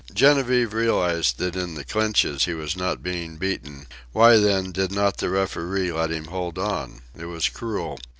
Genevieve realized that in the clinches he was not being beaten why, then, did not the referee let him hold on? It was cruel.